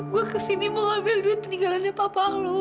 gue kesini mau ambil duit peninggalannya papa lo